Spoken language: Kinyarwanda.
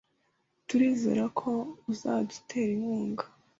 Turizera ko uzadutera inkunga .